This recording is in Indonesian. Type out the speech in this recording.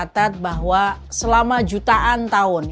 mencatat bahwa selama jutaan tahun